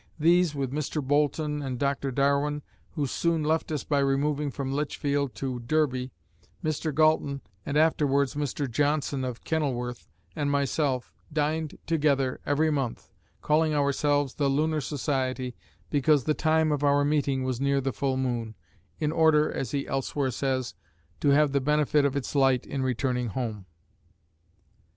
These, with Mr. Boulton and Dr. Darwin, who soon left us by removing from Lichfield to Derby, Mr. Galton, and afterwards Mr. Johnson of Kenilworth and myself, dined together every month, calling ourselves the Lunar Society, because the time of our meeting was near the full moon in order, as he elsewhere says, to have the benefit of its light in returning home.